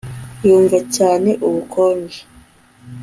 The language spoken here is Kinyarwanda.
Yumva cyane ubukonje